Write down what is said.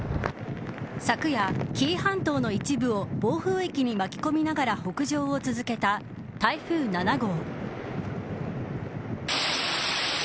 昨夜、紀伊半島の一部を暴風域に巻き込みながら北上を続けた台風７号。